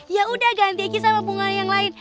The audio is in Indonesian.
ya udah ganti aja sama bunga yang lain